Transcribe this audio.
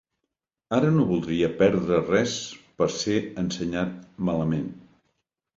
Ara no voldria perdre res per ser ensenyat malament.